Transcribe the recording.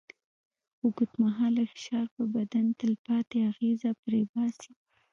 اوږدمهاله فشار پر بدن تلپاتې اغېزه پرېباسي.